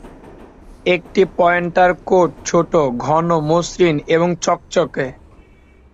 একটি pointer coat ছোট, ঘন, মসৃণ এবং চকচকে।